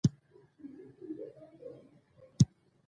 فایروال سیسټمونه د سایبري بریدونو مخه نیسي.